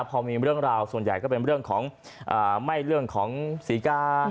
พอมีเรื่องราวส่วนใหญ่ก็เป็นเรื่องของไม่เรื่องของศรีกา